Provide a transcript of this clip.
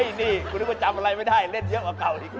นี่คุณนึกว่าจำอะไรไม่ได้เล่นเยอะกว่าเก่าดีกว่า